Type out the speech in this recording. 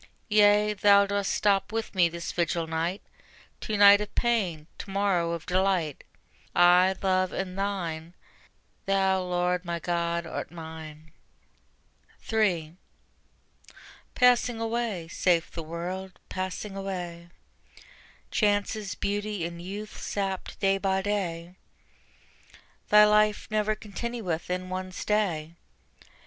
Yea, Thou dost stop with me this vigil night; To night of pain, to morrow of delight: I, Love, am Thine; Thou, Lord, my God, art mine. 3. Passing away, saith the World, passing away: Chances, beauty and youth sapped day by day: Thy life never continueth in one stay.